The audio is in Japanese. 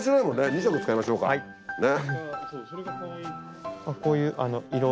２色使いましょうかね！